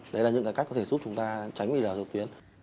đấy là những cách có thể giúp chúng ta tránh bị đào dột tuyến